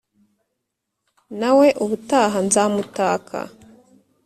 nawe ubutaha nzamutaka